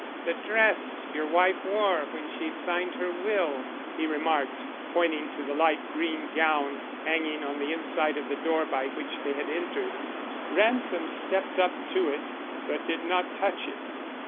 "The dress your wife wore when she signed her will," he remarked, pointing to the light green gown hanging on the inside of the door by which they had entered. Ransom stepped up to it, but did not touch it.